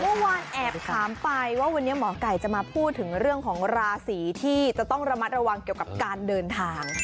เมื่อวานแอบถามไปว่าวันนี้หมอไก่จะมาพูดถึงเรื่องของราศีที่จะต้องระมัดระวังเกี่ยวกับการเดินทาง